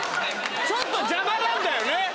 ちょっと邪魔なんだよね。